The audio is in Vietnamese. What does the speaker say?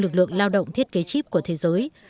năm mươi lực lượng lao động thiết kế chip của thế giới